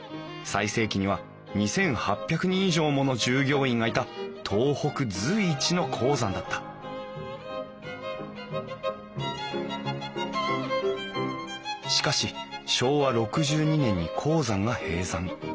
最盛期には２，８００人以上もの従業員がいた東北随一の鉱山だったしかし昭和６２年に鉱山が閉山。